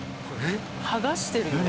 剥がしてるよね？